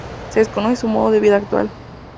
Se desconoce su modo de vida actual.